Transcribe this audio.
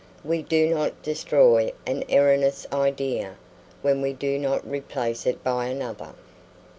We do not destroy an erroneous idea when we do not replace it by another.